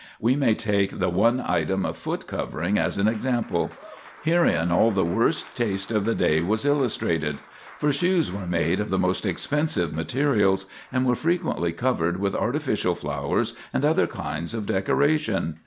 We may take the one item of foot covering as an example. Herein all the worst taste of the day was illustrated; for shoes were made of the most expensive materials, and were frequently covered with artificial flowers and other kinds of decoration.